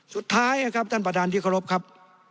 สุดท้ายครับท่านประธานดิกรกครับ